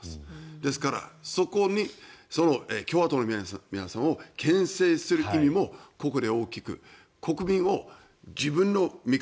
ですから、そこに共和党の皆さんをけん制する意味もここで大きく国民を自分の味方